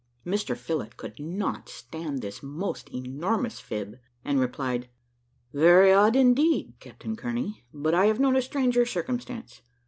Mr Phillott could not stand this most enormous fib, and he replied, "Very odd, indeed, Captain Kearney: but I have known a stranger circumstance.